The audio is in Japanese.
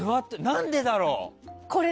何でだろう？